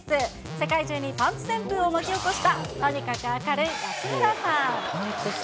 世界中にパンツ旋風を巻き起こしたとにかく明るい安村さん。